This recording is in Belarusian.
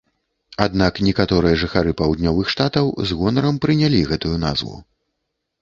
Аднак некаторыя жыхары паўднёвых штатаў з гонарам прынялі гэтую назву.